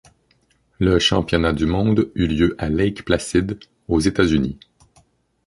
Le championnat du monde eut lieu à Lake Placid, aux États-Unis.